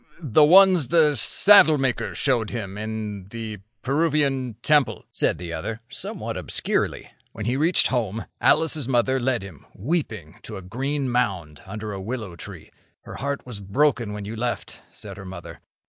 "The ones the saddlemaker showed him in the Peruvian temple," said the other, somewhat obscurely. "When he reached home, Alice's mother led him, weeping, to a green mound under a willow tree. 'Her heart was broken when you left,' said her mother.